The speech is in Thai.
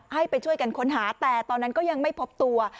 ให้ไปช่วยกันค้นหาแต่ตอนนั้นก็ยังไม่พบตัว